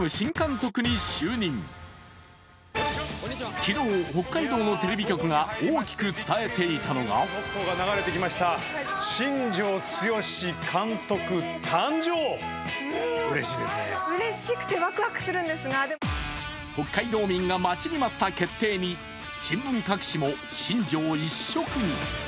昨日、北海道のテレビ局が大きく伝えていたのが北海道民が待ちに待った決定に新聞各紙も新庄一色に。